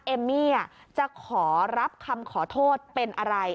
เอมมี่จะขอรับคำขอโทษเป็นอะไร